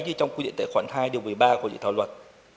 như trong quy định tệ khoản hai điều một mươi ba của dự thảo luật